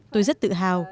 tôi rất tự hào